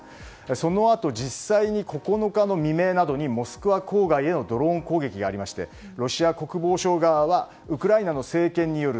そのあと実際に９日の未明などにモスクワ郊外へのドローン攻撃がありましてロシア国防省側はウクライナの政権による